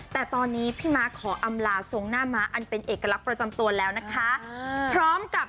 แต่ตอนนี้พี่ม้าขออำลาทรงหน้าม้าอันเป็นเอกลักษณ์ประจำตัวแล้วนะคะพร้อมกับ